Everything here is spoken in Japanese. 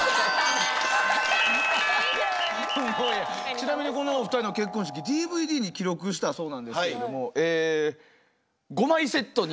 ちなみにこのお二人の結婚式ＤＶＤに記録したそうなんですけれども５枚セットに。